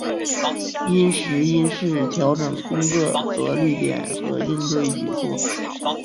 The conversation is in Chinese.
因时因势调整工作着力点和应对举措